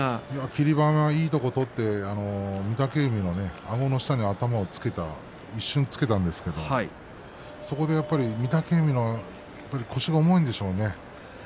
霧馬山いいところを取って御嶽海のあごの下に頭をつけた一瞬つけたんですけれどもそこで御嶽海の腰が重いんでしょうね。